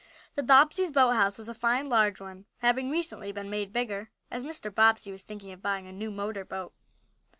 The Bobbsey's boathouse was a fine large one, having recently been made bigger as Mr. Bobbsey was thinking of buying a new motor boat.